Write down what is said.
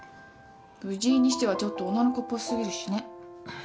藤井にしてはちょっと女の子っぽ過ぎるしね。